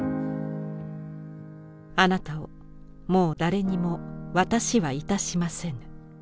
「あなたをもう誰にも渡しはいたしませぬ」。